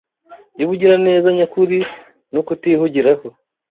y’ubugiraneza nyakuri no kutihugiraho.